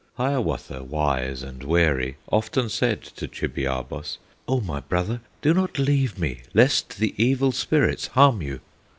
Hiawatha, wise and wary, Often said to Chibiabos, "O my brother! do not leave me, Lest the Evil Spirits harm you!"